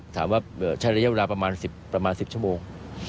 ถามว่าใช้ระยะเวลาประมาณ๑๐ชั่วโมง